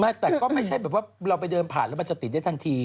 แต่ก็ไม่ใช่แบบว่าเราไปเดินผ่านแล้วมันจะติดได้ทันที